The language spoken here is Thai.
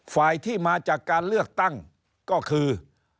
ฝ่ายที่มาจากการเลือกตั้งก็คือ